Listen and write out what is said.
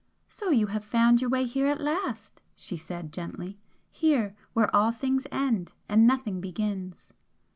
"So you have found your way here at last!" she said, gently "Here, where all things end, and nothing begins!"